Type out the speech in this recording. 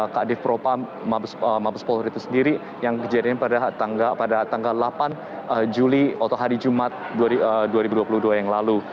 kdf pro pampore itu sendiri yang terjadi pada tanggal delapan juli atau hari jumat dua ribu dua puluh dua yang lalu